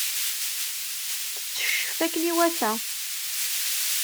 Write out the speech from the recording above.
Tetteccef akken iwata.